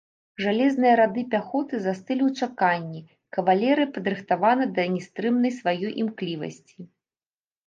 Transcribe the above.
Жалезныя рады пяхоты застылі ў чаканні, кавалерыя падрыхтавана да нястрымнай сваёй імклівасці.